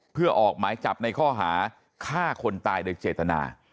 เพื่อออกหมายจับในข้อหาฆ่าคนตายโดยเจตนา